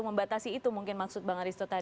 membatasi itu mungkin maksud bang aristo tadi